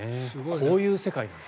こういう世界なんです。